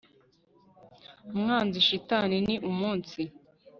umwanzi shitani, ni umunsi